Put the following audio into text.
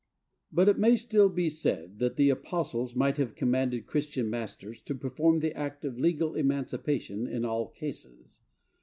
But it may still be said that the apostles might have commanded Christian masters to perform the act of legal emancipation in all cases.